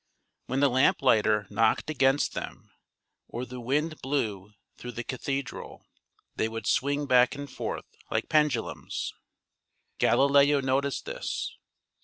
When the lamplighter knocked against them, or the wind blew through the cathedral, they would swing back and forth like pendulums. Galileo noticed this.